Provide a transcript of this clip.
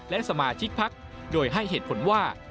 และสมาชิกพักโดยให้เหตุผลว่า